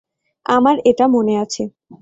আমার এটা মনে আছে।